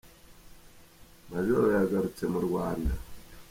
Majoro yagarutse mu Rwanda